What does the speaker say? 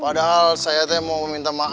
padahal saya teh mau meminta maaf